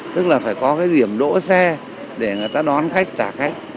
tức là phải có cái điểm đỗ xe để người ta đón khách trả khách